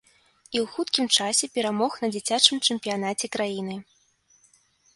І ў хуткім часе перамог на дзіцячым чэмпіянаце краіны.